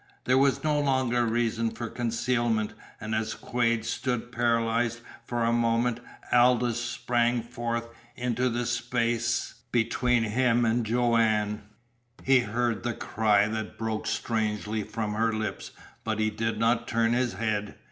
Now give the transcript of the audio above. There was no longer reason for concealment, and as Quade stood paralyzed for a moment Aldous sprang forth into the space between him and Joanne. He heard the cry that broke strangely from her lips but he did not turn his head.